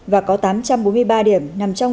và có tám trăm bốn mươi ba điểm nằm trong